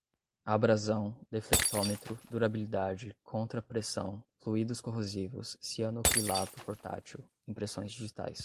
abrasão, deflectômetro, durabilidade, contrapressão, fluídos corrosivos, cianocrilato portátil, impressões digitais